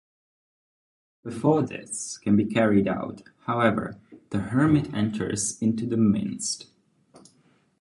Before this can be carried out, however, the hermit enters into their midst.